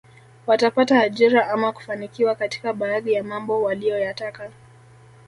Watapata ajira ama kufanikiwa katika baadhi ya mambo waliyoyataka